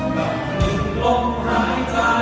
กับหนึ่งลมหายใจ